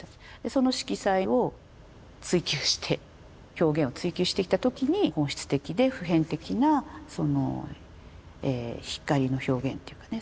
その色彩を追求して表現を追求していった時に本質的で普遍的なその光の表現っていうかね